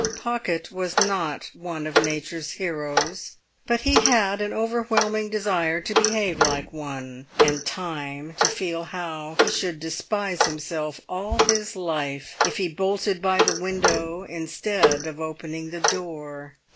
Pocket was not one of nature's heroes, but he had an overwhelming desire to behave like one, and time to feel how he should despise himself all his life if he bolted by the window instead of opening the door.